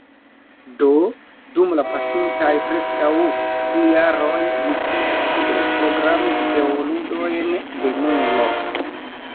Do dum la pasintaj preskaŭ du jaroj mi studis kiel programi videoludojn de nulo.